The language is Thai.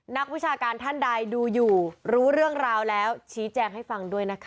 นักวิชาการท่านใดดูอยู่รู้เรื่องราวแล้วชี้แจงให้ฟังด้วยนะคะ